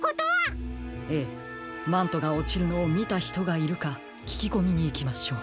ええマントがおちるのをみたひとがいるかききこみにいきましょう。